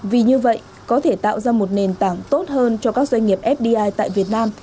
vì như vậy có thể tạo ra một nền tảng tốt hơn cho các doanh nghiệp fdi tại việt nam